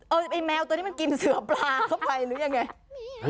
ไอ้แมวตัวนี้มันกินเสือปลาเข้าไปหรือยังไง